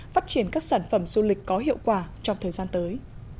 phát triển các sản phẩm du lịch có hiệu quả trong thời gian tới